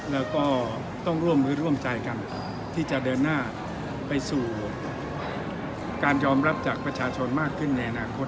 แล้วก็ต้องร่วมมือร่วมใจกันที่จะเดินหน้าไปสู่การยอมรับจากประชาชนมากขึ้นในอนาคต